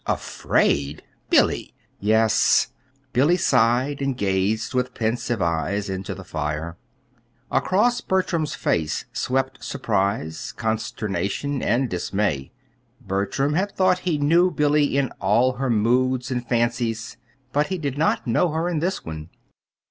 "Afraid Billy!" "Yes." Billy sighed, and gazed with pensive eyes into the fire. Across Bertram's face swept surprise, consternation, and dismay. Bertram had thought he knew Billy in all her moods and fancies; but he did not know her in this one.